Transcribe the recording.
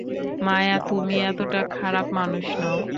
মায়া, তুমি এতটা খারাপ মানুষ নও।